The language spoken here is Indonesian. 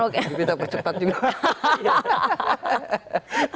dipinta percepat juga